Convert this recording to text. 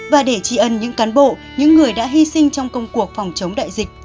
và để tri ân những cán bộ những người đã hy sinh trong công cuộc phòng chống đại dịch